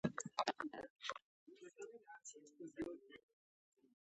په افغانستان کې ترافیکي پېښې ډېرې کېږي.